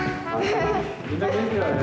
・みんな元気だね。